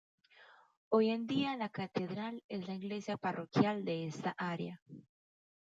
Hoy en día la catedral es la iglesia parroquial de esta área.